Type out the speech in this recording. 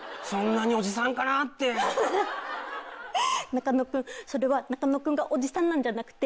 中野君それは中野君がおじさんなんじゃなくて。